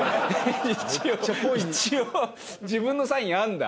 一応一応自分のサインあるんだ。